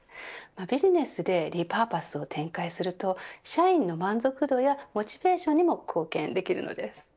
ビジネスでリ・パーパスを展開すると社員の満足度やモチベーションにも貢献できるんです。